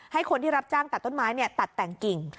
ให้คนที่รับจ้างตัดต้นไม้ตัดแต่งกิ่ง